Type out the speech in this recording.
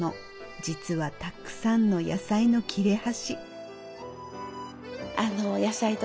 実はたくさんの野菜の切れ端。